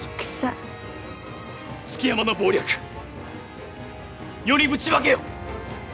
築山の謀略世にぶちまけよ！